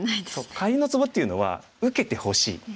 かりんのツボっていうのは「受けてほしい」。